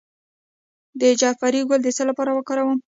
د جعفری ګل د څه لپاره وکاروم؟